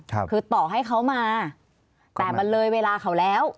คือต่อให้เขามาแต่มันเลยเวลาเขาแล้ว